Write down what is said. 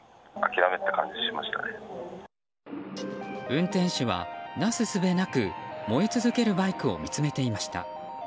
運転手はなすすべなく燃え続けるバイクを見つめていました。